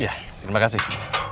iya terima kasih